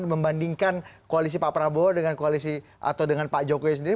membandingkan koalisi pak prabowo dengan koalisi atau dengan pak jokowi sendiri